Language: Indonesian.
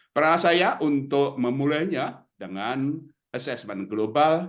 peran saya untuk memulainya dengan assessment global